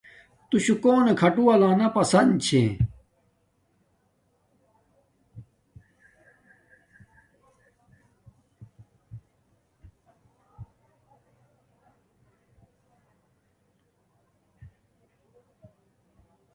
تو شو کونے کھاٹورہ لانا پسن چھا۔